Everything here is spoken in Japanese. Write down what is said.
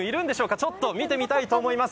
ちょっと見てみたいと思います。